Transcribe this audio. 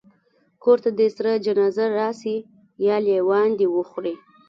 کور ته دي سره جنازه راسي یا لېوان دي وخوري